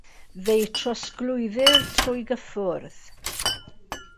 Fe'i trosglwyddir trwy gyffwrdd.